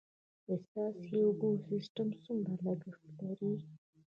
د څاڅکي اوبو سیستم څومره لګښت لري؟